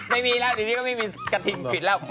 ไม่มีแล้วเดี๋ยวนี้ก็ไม่มีกระทิงปิดแล้ว